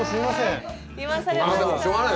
しょうがない